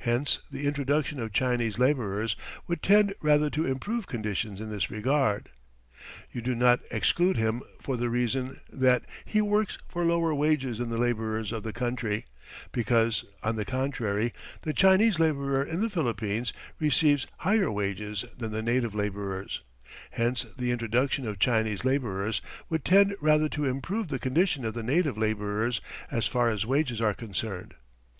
Hence the introduction of Chinese labourers would tend rather to improve conditions in this regard. You do not exclude him for the reason that he works for lower wages than the labourers of the country, because, on the contrary, the Chinese labourer in the Philippines receives higher wages than the native labourer, hence the introduction of Chinese labourers would tend rather to improve the condition of the native labourers as far as wages are concerned.